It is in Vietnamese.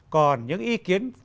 còn những ý kiến